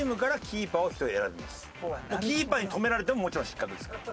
キーパーに止められてももちろん失格ですから。